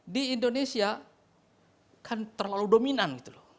di indonesia kan terlalu dominan